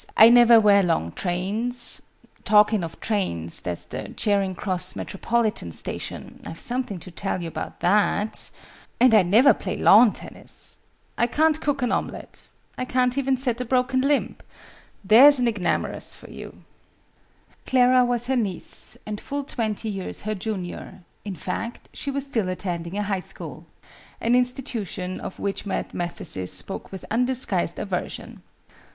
I never wear long trains, (talking of trains, that's the Charing Cross Metropolitan Station I've something to tell you about that), and I never play lawn tennis. I can't cook an omelette. I can't even set a broken limb! There's an ignoramus for you!" Clara was her niece, and full twenty years her junior; in fact, she was still attending a High School an institution of which Mad Mathesis spoke with undisguised aversion.